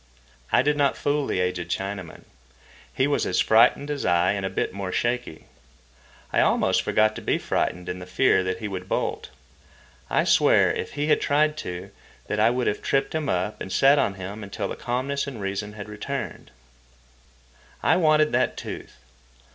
I did not fool the aged Chinaman. He was as frightened as I and a bit more shaky. I almost forgot to be frightened in the fear that he would bolt. I swear, if he had tried to, that I would have tripped him up and sat on him until calmness and reason returned. I wanted that tooth.